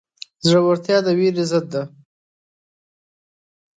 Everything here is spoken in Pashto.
زړورتیا د وېرې ضد ده.